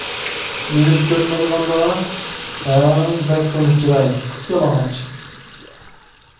نېمىشقا كۆرۈنمەيدىغاندۇ؟ ھە، بەك تونۇش چىراي، قىپيالىڭاچ.